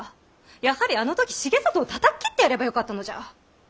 やはりあの時重郷をたたっ斬ってやればよかったのじゃ！